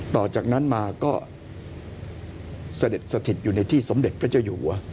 ต่อจากนั้นมาก็เสด็จสถิตอยู่ในที่สมเด็จพระเจ้าอยู่หัว